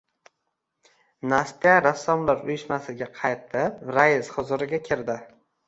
Nastya Rassomlar uyushmasiga qaytib, rais huzuriga kirdi.